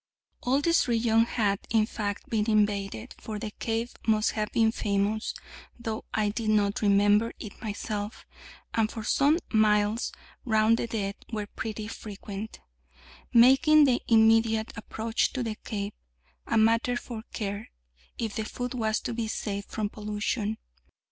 All this region had, in fact, been invaded, for the cave must have been famous, though I did not remember it myself, and for some miles round the dead were pretty frequent, making the immediate approach to the cave a matter for care, if the foot was to be saved from pollution.